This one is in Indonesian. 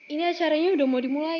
ini acaranya udah mau dimulai